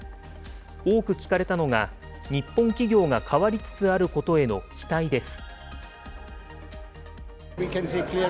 多く聞かれたのが、日本企業が変わりつつあることへの期待です。